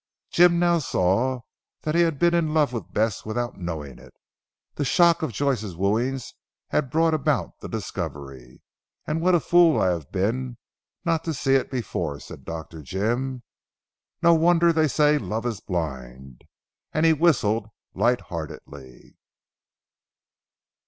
Jim now saw that he had been in love with Bess without knowing it. The shock of Joyce's wooing had brought about the discovery. "And what a fool I have been not to see it before!" said Dr. Jim. "No wonder they say Love is blind," and he whistled light heartedly.